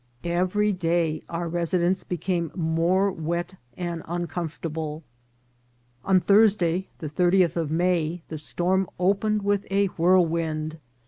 Every day our residence became more wet and uncomfortable. On Thursday, the thirtieth of May, the storm opened with a whirlwind.